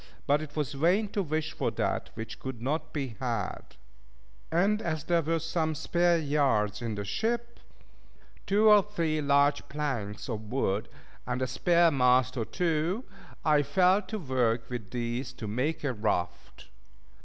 But it was vain to wish for that which could not be had; and as there were some spare yards in the ship, two or three large planks of wood, and a spare mast or two, I fell to work with these, to make a raft.